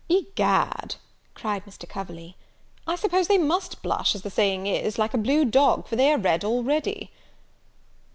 "Egad," cried Mr. Coverley, "I suppose they must blush, as the saying is, like a blue dog, for they are red already."